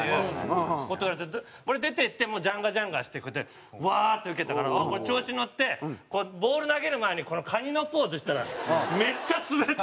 俺出ていってもうジャンガジャンガしてこれでワー！ってウケたから調子に乗ってボール投げる前にカニのポーズしたらめっちゃスベったの。